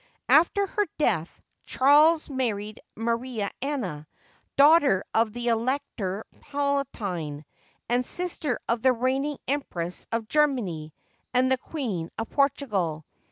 After her death, Charles married Maria Anna, daugh ter of the Elector Palatine, and sister of the reigning Empress of Germany and the Queen of Portugal.